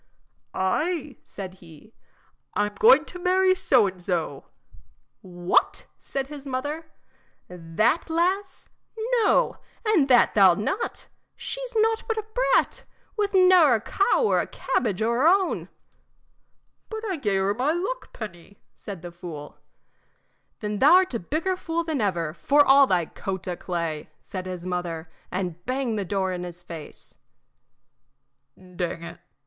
"Ay," said he, "I'm going to marry so an' so." "What!" said his mother, "that lass? No, and that thou 'lt not. She's nought but a brat, with ne'er a cow or a cabbage o' her own." "But I gave her my luck penny," said the fool. "Then thou 'rt a bigger fool than ever, for all thy coat o' clay!" said his mother, and banged the door in his face. "Dang it!"